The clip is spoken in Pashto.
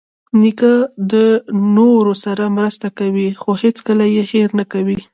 نیکه د نورو خلکو سره مرسته کوي، خو هیڅکله یې هېر نه کوي.